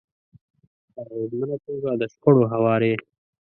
-په اغیزمنه توګه د شخړو هواری